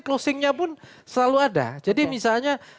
closingnya pun selalu ada jadi misalnya